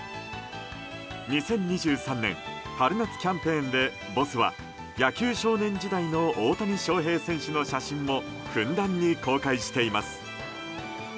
２０２３年春夏キャンペーンでＢＯＳＳは野球少年時代の大谷翔平選手の写真もふんだんに公開しています。